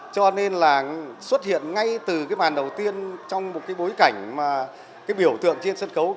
cho nên là xuất hiện ngay từ cái màn đầu tiên trong một cái bối cảnh mà cái biểu tượng trên sân khấu